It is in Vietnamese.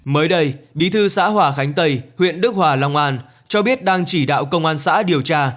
mới đây bí thư xã hòa khánh tây huyện đức hòa long an cho biết đang chỉ đạo công an xã điều tra